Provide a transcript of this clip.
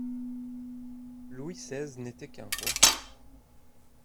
Louis seize n'était qu'un roi.